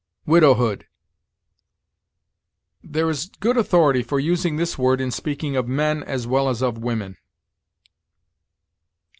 WIDOWHOOD. There is good authority for using this word in speaking of men as well as of women.